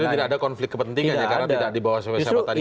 jadi tidak ada konflik kepentingannya karena tidak dibawah siapa siapa tadi